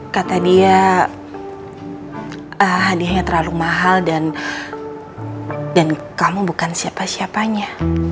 kata dia hadiahnya terlalu mahal dan kamu bukan siapa siapanya